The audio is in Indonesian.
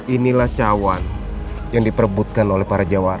inilah cawan yang diperbutkan oleh para jawa